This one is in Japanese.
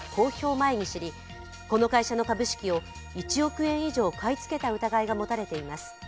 前に知り、この会社の株式を１億円以上買い付けた疑いが持たれています。